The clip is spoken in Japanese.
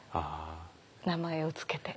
名前を付けて。